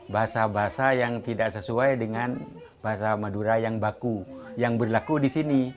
bahasa bahasa yang tidak sesuai dengan bahasa madura yang baku yang berlaku di sini